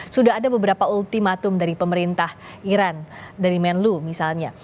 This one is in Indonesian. sudah ada beberapa ultimatum dari pemerintah iran dari menlu misalnya